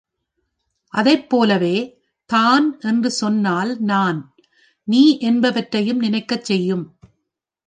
அதைப் போலவே, தான் என்று சொன்னால் நான், நீ என்பவற்றையும் நினைக்கச் செய்யும்.